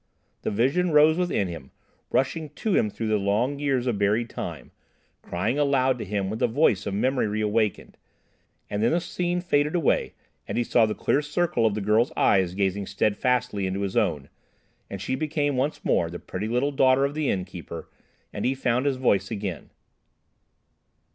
The vision rose within him, rushing to him down the long years of buried time, crying aloud to him with the voice of memory reawakened.... And then the scene faded away and he saw the clear circle of the girl's eyes gazing steadfastly into his own, and she became once more the pretty little daughter of the innkeeper, and he found his voice again.